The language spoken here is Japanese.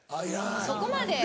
そこまで。